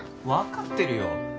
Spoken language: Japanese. わかってるよ。